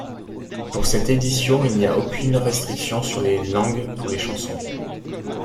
Pour cette édition, il n'y a aucune restriction sur les langues pour les chansons.